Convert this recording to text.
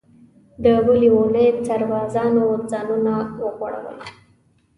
د بلې اوونۍ سربازانو ځانونه وغوړول.